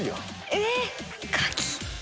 えっカキ？